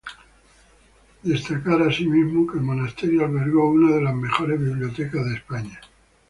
Destacar, así mismo, que el monasterio albergó una de las mejores bibliotecas de España.